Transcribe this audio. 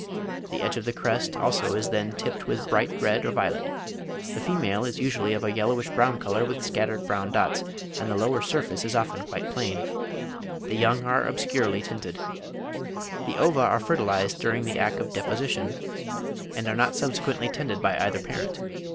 The edge of the crest also is then tipped with bright red or violet. The female is usually of a yellowish brown colour with scattered brown dots, and the lower surface is often quite plain. (44. Bell, 'History of British Reptiles,' 2nd ed., 1849, pp. 146, 151.) The young are obscurely tinted. The ova are fertilised during the act of deposition, and are not subsequently tended by either parent.